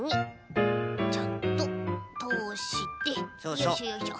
よいしょよいしょ。